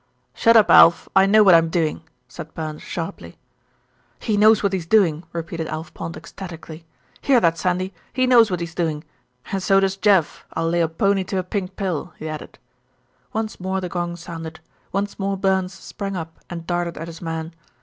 "Shut up, Alf! I know what I'm doing," said Burns sharply. "He knows what he's doing," repeated Alf Pond ecstatically. "Hear that, Sandy? He knows what he's doing, and so does Jeff, I'll lay a pony to a pink pill," he added. Once more the gong sounded; once more Burns sprang up and darted at his man.